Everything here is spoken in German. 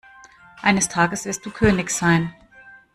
Eines Tages wirst du König sein.